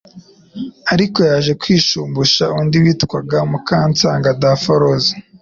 ariko yaje kwishumbusha undi witwaga Mukansanga Daforoza